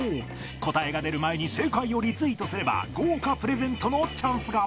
答えが出る前に正解をリツイートすれば豪華プレゼントのチャンスが